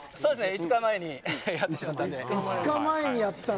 ５日前にやってしまったんで。